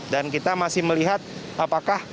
dan kita masih melihat apakah